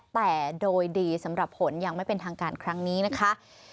แต่โดยดีสำหรับผลยังไม่เป็นทางการครั้งนี้นะคะ